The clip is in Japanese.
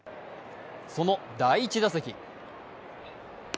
その第１打席。